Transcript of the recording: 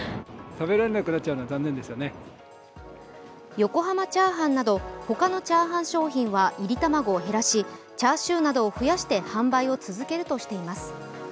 横濱チャーハンなど他のチャーハン商品は炒り玉子を減らし、チャーシューなどを増やして販売を続けるといいます。